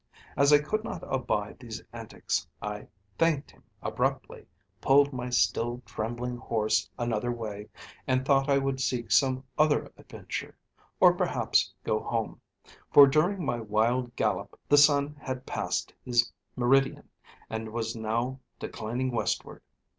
As I could not abide these antics, I thanked him abruptly, pulled my still trembling horse another way, and thought I would seek some other adventure, or perhaps go home; for during my wild gallop the sun had passed his meridian, and was now declining westward.